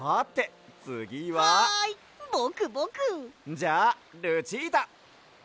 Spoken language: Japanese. じゃあルチータ！